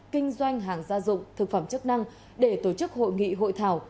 kinh doanh hàng gia dụng thực phẩm chức năng để tổ chức hội nghị hội thảo